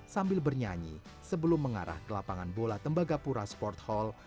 sambil bernyanyi sebelum mengarah ke lapangan bola tembagapura sport hall